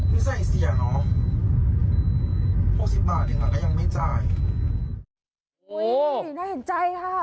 อุ้ยน่าเห็นใจค่ะ